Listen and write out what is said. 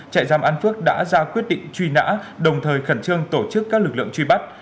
trại giam an phước đã ra quyết định truy nã đồng thời khẩn trương tổ chức các lực lượng truy bắt